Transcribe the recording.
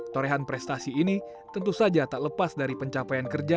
torehan prestasi ini tentu saja tak lepas dari pencapaian kerja